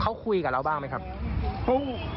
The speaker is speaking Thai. เขาคุยกับเราบ้างไหมครับ